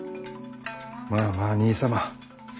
まあまあ兄様。